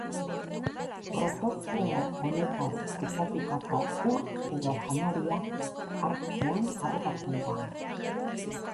Protozoo honetaz kutsatutako ur edo janariak hartzean harrapatzen da.